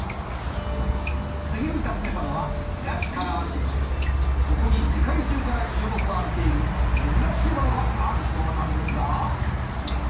次に訪ねたのは東かがわ市ここに世界中から注目を浴びている珍しいものがあるそうなんですが